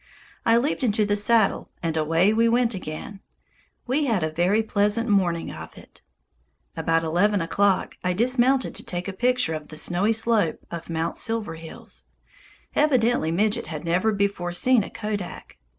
I leaped into the saddle and away we went again. We had a very pleasant morning of it. About eleven o'clock I dismounted to take a picture of the snowy slope of Mt. Silverheels. Evidently Midget had never before seen a kodak.